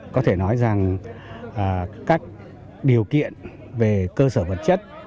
có thể nói rằng các điều kiện về cơ sở vật chất